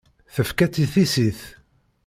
Tefka-tt i tissit.